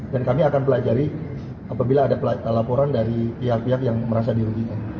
kami akan pelajari apabila ada laporan dari pihak pihak yang merasa dirugikan